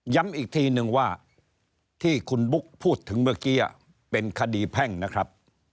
อีกทีนึงว่าที่คุณบุ๊กพูดถึงเมื่อกี้เป็นคดีแพ่งนะครับ